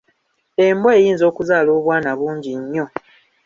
Embwa eyinza okuzaala obwana bungi nnyo.